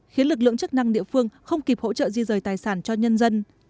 khiến lực lượng chức năng địa phương không kịp hỗ trợ di rời tài sản cho nhân dân